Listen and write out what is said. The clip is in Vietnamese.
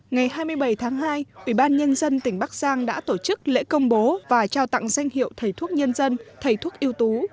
ngày hai mươi bảy tháng hai ủy ban nhân dân tỉnh bắc giang đã tổ chức lễ công bố và trao tặng danh hiệu thầy thuốc nhân dân thầy thuốc yêu tú